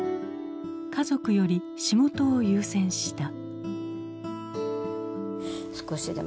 家族より仕事を優先した。